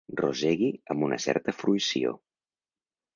Rosegui amb una certa fruïció.